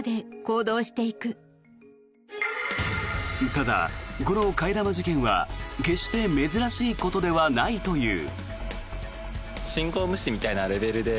ただ、この替え玉受検は決して珍しいことではないという。